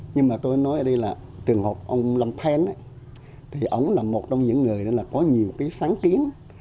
nhưng mà tôi nói ở đây là trường hợp ông lam phen ấy thì ổng là một trong những người đó là có nhiều cái sáng kiến